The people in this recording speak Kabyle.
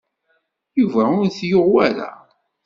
Yuba ur t-yuɣ wara.